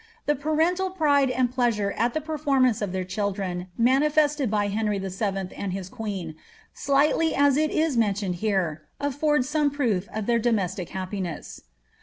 ^ The parental pride and pleasure at the perh nuance of their children manifested by Henry Vll. and his queen, sligh v as it is men tioned here, affords some proof of their domestic happiniss.